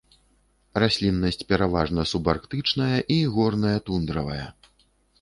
Расліннасць пераважна субарктычная і горная тундравая.